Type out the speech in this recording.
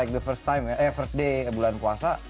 ya seperti hari pertama bulan puasa